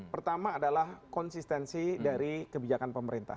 pertama adalah konsistensi dari kebijakan pemerintah